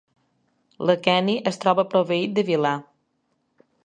L'aqueni es troba proveït de vil·là.